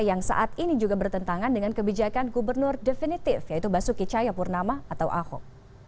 yang saat ini juga bertentangan dengan kebijakan gubernur definitif yaitu basuki cahayapurnama atau ahok